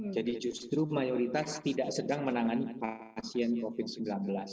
jadi justru mayoritas tidak sedang menangani pasien covid sembilan belas